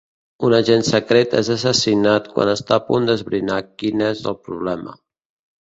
Un agent secret és assassinat quan està a punt d'esbrinar quin és el problema.